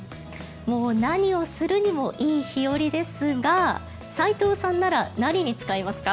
もう何をするにもいい日和ですが斎藤さんなら何に使いますか？